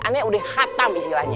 aneh udah hatam istilahnya